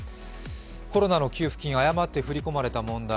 コロナの給付金、誤って振り込まれた問題。